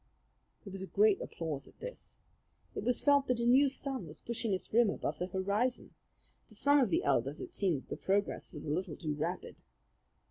There was great applause at this. It was felt that a new sun was pushing its rim above the horizon. To some of the elders it seemed that the progress was a little too rapid.